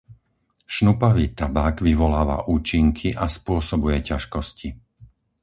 Šnupavý tabak vyvoláva účinky a spôsobuje ťažkosti.